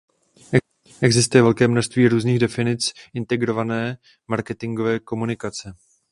Existuje velké množství různých definic integrované marketingové komunikace.